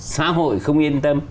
xã hội không yên tâm